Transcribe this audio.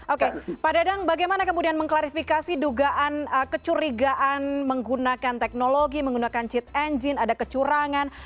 oke pak dadang bagaimana kemudian mengklarifikasi dugaan kecurigaan menggunakan teknologi menggunakan cheed engine ada kecurangan